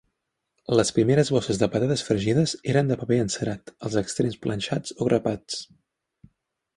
Les primeres bosses de patates fregides eren de paper encerat els extrems planxats o grapats.